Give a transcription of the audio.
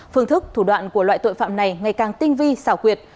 phương thức thủ đoạn của loại tội phạm này ngày càng tinh vi xảo quyệt